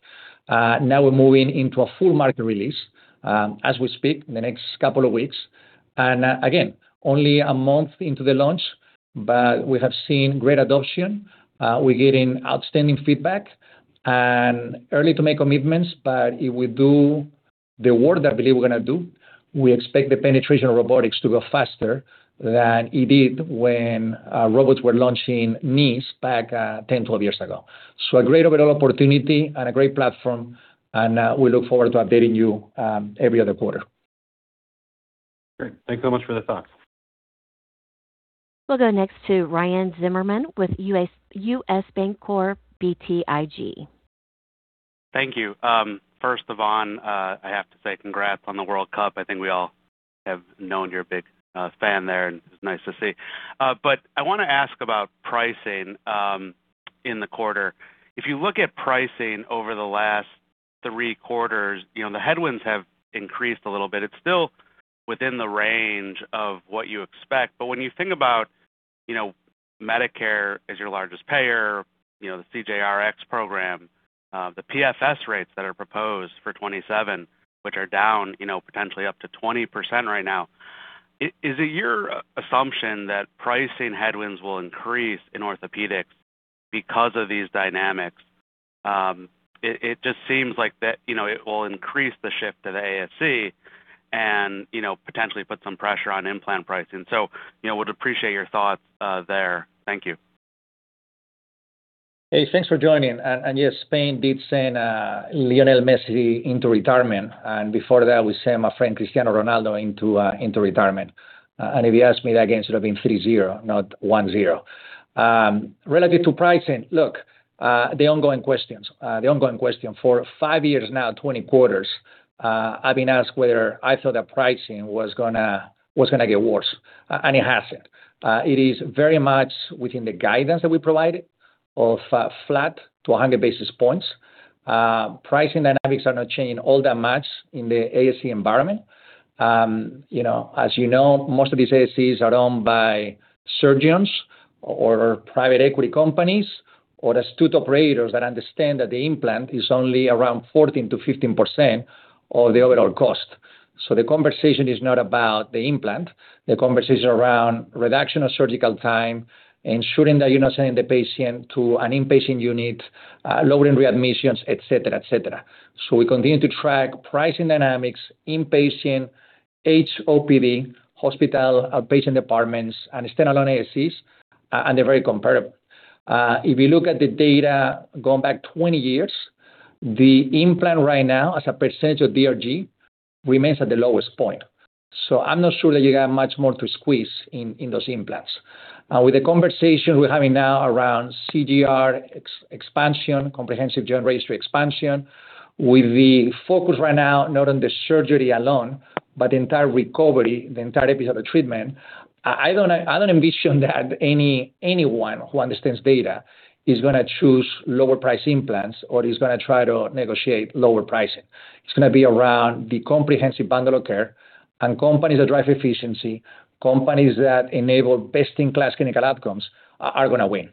Speaker 3: Now we're moving into a full market release, as we speak, in the next couple of weeks. Again, only a month into the launch, but we have seen great adoption. We're getting outstanding feedback, and early to make commitments, but if we do the work that I believe we're going to do, we expect the penetration of robotics to go faster than it did when robots were launching knees back 10, 12 years ago. A great overall opportunity and a great platform, and we look forward to updating you every other quarter.
Speaker 12: Great. Thanks so much for the thoughts.
Speaker 1: We'll go next to Ryan Zimmerman with U.S. Bancorp BTIG.
Speaker 13: Thank you. First, Ivan, I have to say congrats on the World Cup. I think we all have known you're a big fan there, and it's nice to see. I want to ask about pricing in the quarter. If you look at pricing over the last three quarters, the headwinds have increased a little bit. It's still within the range of what you expect. When you think about Medicare as your largest payer, the CJR-X program, the PFS rates that are proposed for 2027, which are down potentially up to 20% right now. Is it your assumption that pricing headwinds will increase in orthopedics because of these dynamics? It just seems like that it will increase the shift to the ASC and potentially put some pressure on implant pricing. Would appreciate your thoughts there. Thank you.
Speaker 3: Hey, thanks for joining. Yes, Spain did send Lionel Messi into retirement, and before that, we sent my friend Cristiano Ronaldo into retirement. If you ask me, that game should have been 3-0, not 1-0. Relative to pricing, look, the ongoing question for five years now, 20 quarters, I've been asked whether I thought that pricing was going to get worse, and it hasn't. It is very much within the guidance that we provided of flat to 100 basis points. Pricing dynamics are not changing all that much in the ASC environment. As you know, most of these ASCs are owned by surgeons or private equity companies or astute operators that understand that the implant is only around 14%-15% of the overall cost. The conversation is not about the implant, the conversation is around reduction of surgical time, ensuring that you're not sending the patient to an inpatient unit, lowering readmissions, et cetera, et cetera. We continue to track pricing dynamics, inpatient, HOPD, hospital outpatient departments, and standalone ASCs, and they're very comparable. If you look at the data going back 20 years, the implant right now, as a percentage of DRG, remains at the lowest point. I'm not sure that you got much more to squeeze in those implants. With the conversation we're having now around CJR expansion, comprehensive joint registry expansion, with the focus right now not on the surgery alone, but the entire recovery, the entire episode of treatment, I don't envision that anyone who understands data is going to choose lower price implants or is going to try to negotiate lower pricing. It's going to be around the comprehensive bundle of care and companies that drive efficiency, companies that enable best-in-class clinical outcomes are going to win.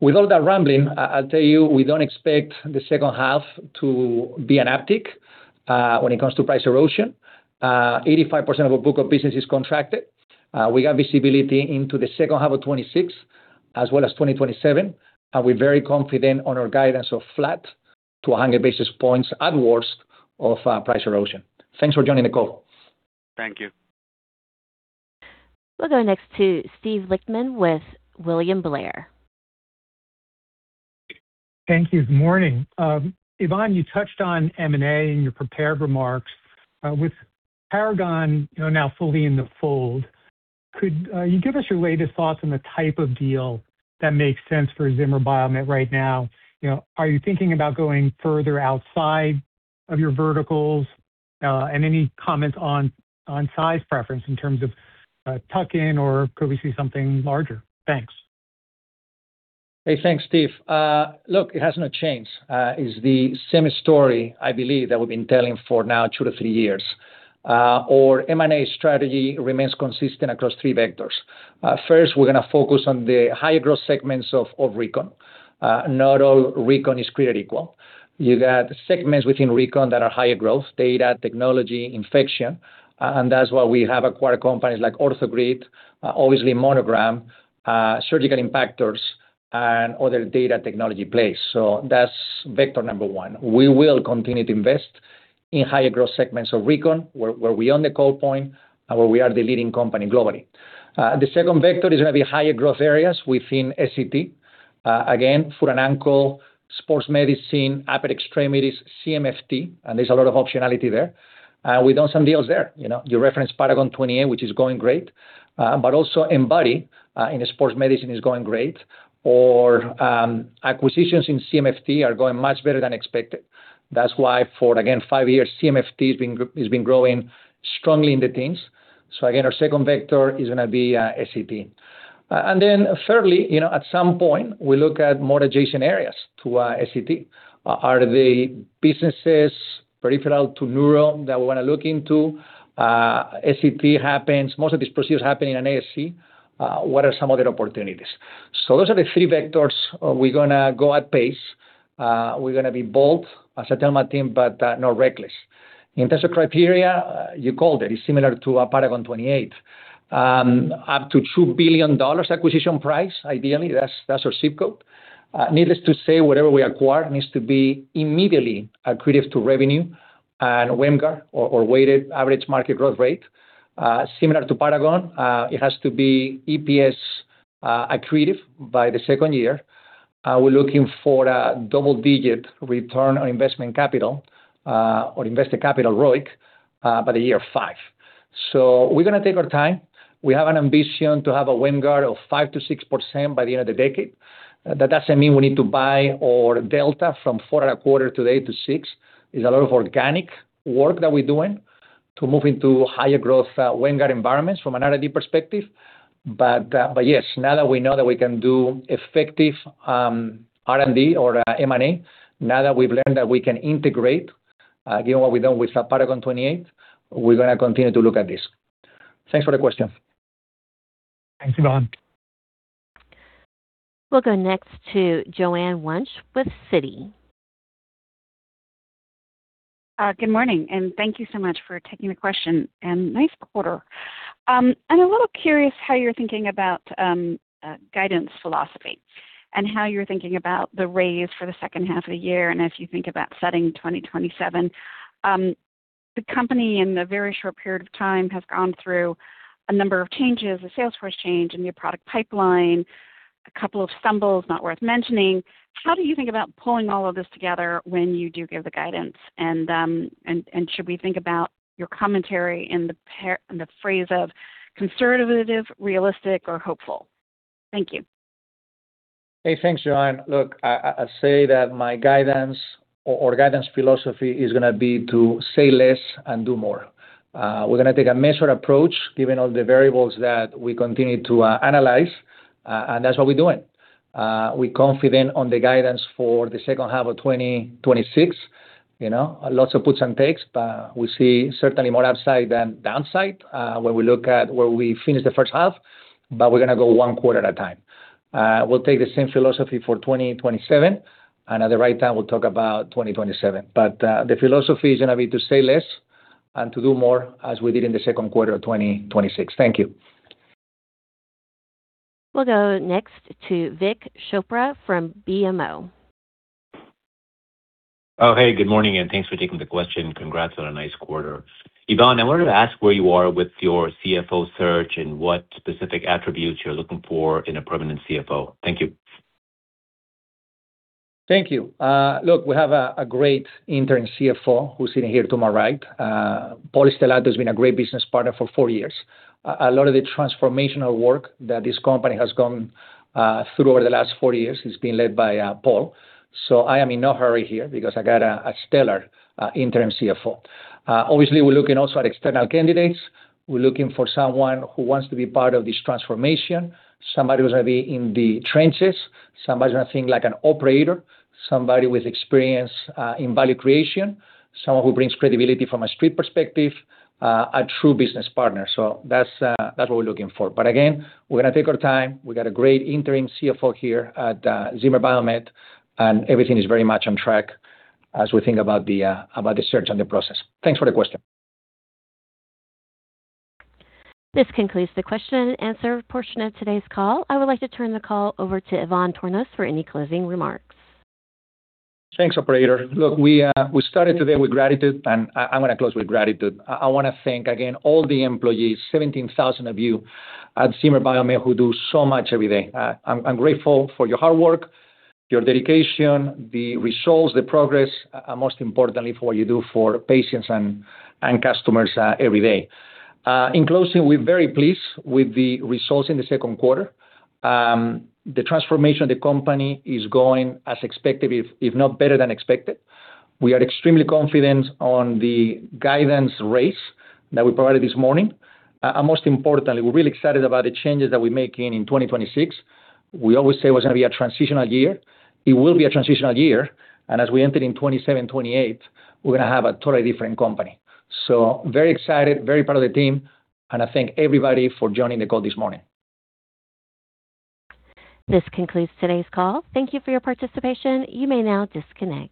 Speaker 3: With all that rambling, I'll tell you, we don't expect the second half to be an uptick when it comes to price erosion. 85% of our book of business is contracted. We got visibility into the second half of 2026 as well as 2027, and we're very confident on our guidance of flat to 100 basis points at worst of price erosion. Thanks for joining the call.
Speaker 13: Thank you.
Speaker 1: We'll go next to Steve Lichtman with William Blair.
Speaker 14: Thank you. Morning. Ivan, you touched on M&A in your prepared remarks. With Paragon 28 now fully in the fold, could you give us your latest thoughts on the type of deal that makes sense for Zimmer Biomet right now? Are you thinking about going further outside of your verticals? Any comments on size preference in terms of tuck-in or could we see something larger? Thanks.
Speaker 3: Hey, thanks, Steve. Look, it hasn't changed. It's the same story I believe that we've been telling for now two to three years. Our M&A strategy remains consistent across three vectors. First, we're going to focus on the higher growth segments of recon. Not all recon is created equal. You got segments within recon that are higher growth, data, technology, infection, and that's why we have acquired companies like OrthoGrid, obviously Monogram, surgical impactors, and other data technology plays. That's vector number one. We will continue to invest in higher growth segments of recon where we own the control point and where we are the leading company globally. The second vector is going to be higher growth areas within S.E.T. Again, foot and ankle, Sports Medicine, upper extremities, CMFT. There's a lot of optionality there. We've done some deals there. You referenced Paragon 28, which is going great. Also, Embody in Sports Medicine is going great. Our acquisitions in CMFT are going much better than expected. That's why for, again, five years, CMFT has been growing strongly in the teens. Again, our second vector is going to be S.E.T. Then thirdly, at some point, we look at more adjacent areas to S.E.T. Are there businesses peripheral to neuro that we want to look into? S.E.T. happens, most of these procedures happen in an ASC. What are some other opportunities? Those are the three vectors we're going to go at pace. We're going to be bold, as I tell my team, but not reckless. In terms of criteria, you called it. It's similar to Paragon 28. Up to $2 billion acquisition price, ideally. That's our zip code. Needless to say, whatever we acquire needs to be immediately accretive to revenue and WAMGR, or weighted average market growth rate. Similar to Paragon, it has to be EPS accretive by the second year. We're looking for a double-digit return on investment capital, or invested capital ROIC, by the year five. We're going to take our time. We have an ambition to have a WAMGR of 5%-6% by the end of the decade. That doesn't mean we need to buy our delta from four and a quarter to eight to six. It's a lot of organic work that we're doing to move into higher growth WAMGR environments from an R&D perspective. Yes, now that we know that we can do effective R&D or M&A, now that we've learned that we can integrate, given what we've done with Paragon 28, we're going to continue to look at this. Thanks for the question.
Speaker 14: Thanks, Ivan.
Speaker 1: We'll go next to Joanne Wuensch with Citi.
Speaker 15: Good morning. Thank you so much for taking the question, and nice quarter. I'm a little curious how you're thinking about guidance philosophy and how you're thinking about the raise for the second half of the year and as you think about setting 2027. The company in a very short period of time has gone through a number of changes, a Salesforce change, a new product pipeline, a couple of stumbles, not worth mentioning. How do you think about pulling all of this together when you do give the guidance? Should we think about your commentary in the phrase of conservative, realistic, or hopeful? Thank you.
Speaker 3: Hey, thanks, Joanne. Look, I say that my guidance or guidance philosophy is going to be to say less and do more. We're going to take a measured approach given all the variables that we continue to analyze. That's what we're doing. We're confident on the guidance for the second half of 2026. Lots of puts and takes. We see certainly more upside than downside, when we look at where we finish the first half. We're going to go one quarter at a time. We'll take the same philosophy for 2027. At the right time, we'll talk about 2027. The philosophy is going to be to say less and to do more as we did in the second quarter of 2026. Thank you.
Speaker 1: We'll go next to Vik Chopra from BMO.
Speaker 16: Oh, hey, good morning, and thanks for taking the question. Congrats on a nice quarter. Ivan, I wanted to ask where you are with your CFO search and what specific attributes you're looking for in a permanent CFO. Thank you.
Speaker 3: Thank you. We have a great interim CFO who's sitting here to my right. Paul Stellato has been a great business partner for four years. A lot of the transformational work that this company has gone through over the last four years has been led by Paul. I am in no hurry here because I got a stellar interim CFO. Obviously, we're looking also at external candidates. We're looking for someone who wants to be part of this transformation, somebody who's going to be in the trenches, somebody who I think like an operator, somebody with experience in value creation, someone who brings credibility from a street perspective, a true business partner. That's what we're looking for. Again, we're going to take our time. We've got a great interim CFO here at Zimmer Biomet, and everything is very much on track as we think about the search and the process. Thanks for the question.
Speaker 1: This concludes the question and answer portion of today's call. I would like to turn the call over to Ivan Tornos for any closing remarks.
Speaker 3: Thanks, operator. Look, we started today with gratitude, and I'm going to close with gratitude. I want to thank again all the employees, 17,000 of you at Zimmer Biomet who do so much every day. I'm grateful for your hard work, your dedication, the results, the progress, and most importantly, for what you do for patients and customers every day. In closing, we're very pleased with the results in the second quarter. The transformation of the company is going as expected, if not better than expected. We are extremely confident on the guidance rates that we provided this morning. Most importantly, we're really excited about the changes that we're making in 2026. We always say it was going to be a transitional year. It will be a transitional year, and as we enter in 2027, 2028, we're going to have a totally different company. Very excited, very proud of the team, and I thank everybody for joining the call this morning.
Speaker 1: This concludes today's call. Thank you for your participation. You may now disconnect.